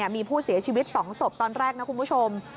มีผู้เสียชีวิต๒ศพตอนแรกนะคุณผู้ชม